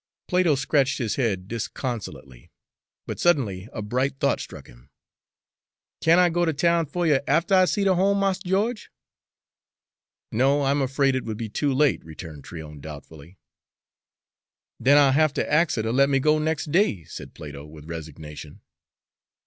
Plato scratched his head disconsolately, but suddenly a bright thought struck him. "Can't I go ter town fer you atter I've seed her home, Mars Geo'ge?" "N o, I'm afraid it would be too late," returned Tryon doubtfully. "Den I'll haf ter ax 'er ter lemme go nex' day," said Plato, with resignation.